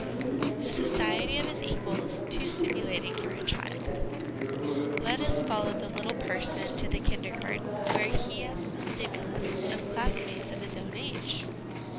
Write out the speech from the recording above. The Society of his Equals too stimulating for a Child. Let us follow the little person to the Kindergarten, where he has the stimulus of class mates of his own age.